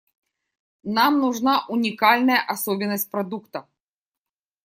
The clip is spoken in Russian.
Нам нужна уникальная особенность продукта.